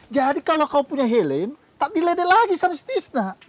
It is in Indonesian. jadi kalau kau punya helm tak diledek lagi sama si tisna